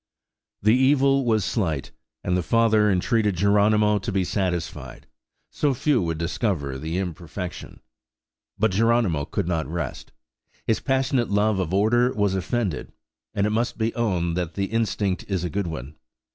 The evil was slight, and the father entreated Geronimo to be satisfied: so few would discover the imperfection. But Geronimo could not rest; his passionate love of order was offended; and it must be owned that the instinct is a good one.